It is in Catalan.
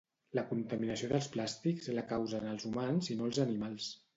La contaminació dels plàstics la causen els humans i no els animals